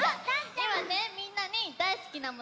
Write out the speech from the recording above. いまねみんなにだいすきなものきいてたんだ。